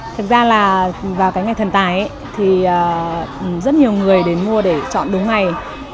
thực ra là vào cái ngày thần tài rất nhiều người đến mua để chọn đúng ngày